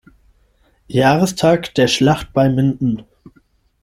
Jahrestag der "Schlacht bei Minden".